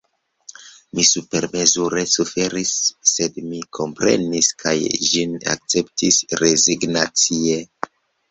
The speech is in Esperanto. Mi supermezure suferis; sed mi komprenis, kaj ĝin akceptis rezignacie.